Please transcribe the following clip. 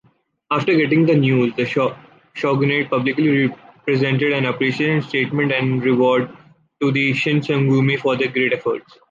After getting the news, the Shogunate publicly presented an Appreciation Statement and reward to the Shinsengumi for their great efforts.